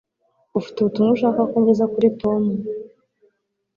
Ufite ubutumwa ushaka ko ngeza kuri Tom?